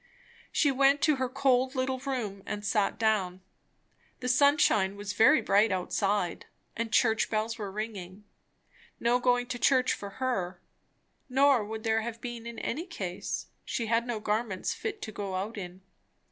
She went to her cold little room and sat down. The sunshine was very bright outside, and church bells were ringing. No going to church for her, nor would there have been in any case; she had no garments fit to go out in.